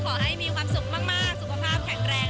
ขอให้มีความสุขมากสุขภาพแข็งแรง